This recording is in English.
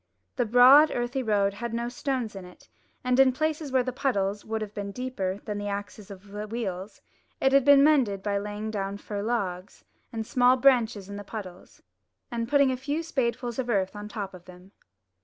The broad earthy road had no stones in it; and in places where the puddles would have been deeper than the axles of the wheels, it had been mended by laying down fir logs and small branches in the puddles, and putting a few spadefuls of earth on the top of them.